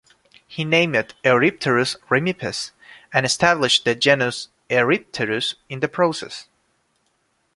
He named it "Eurypterus remipes" and established the genus "Eurypterus" in the process.